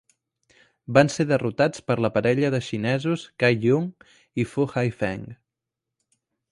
Van ser derrotats per la parella de xinesos, Cai Yun i Fu Haifeng.